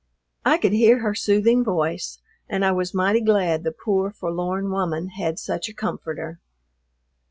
I could hear her soothing voice, and I was mighty glad the poor, forlorn woman had such a comforter.